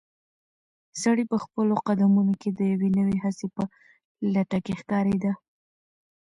سړی په خپلو قدمونو کې د یوې نوې هڅې په لټه کې ښکارېده.